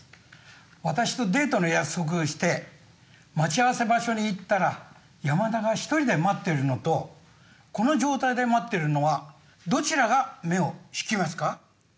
私とデートの約束をして待ち合わせ場所に行ったら山田が一人で待ってるのとこの状態で待ってるのはどちらが目を引きますか？